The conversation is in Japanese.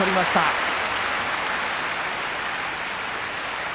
拍手